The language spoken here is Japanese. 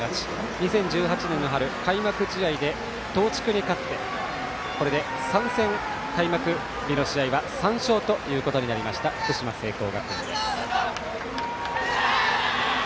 ２０１８年の春開幕試合で東筑に勝ってこれで３戦、開幕日の試合は３勝となりました福島・聖光学院です。